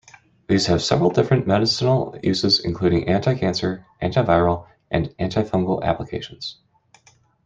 These have several different medicinal uses including anti-cancer, anti-viral, and anti-fungal applications.